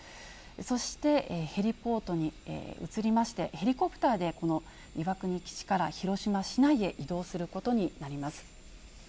そして、ヘリポートに移りまして、ヘリコプターで、この岩国基地から広島市内へ移動することになります。